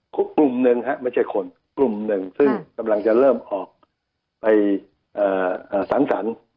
กลุ่มหนึ่งฮะไม่ใช่คนกลุ่มหนึ่งซึ่งกำลังจะเริ่มออกไปสังสรรค์